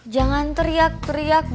jangan teriak teriak